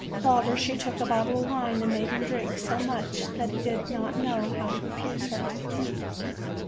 However, she took a bottle of wine, and made him drink so much that he did not know how to refuse her.